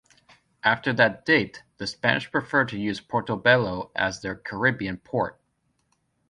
After that date the Spanish preferred to use Portobelo as their Caribbean port.